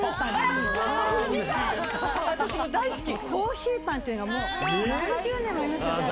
私も大好き、コーヒーパンっていうのがもう、何十年もありますよね。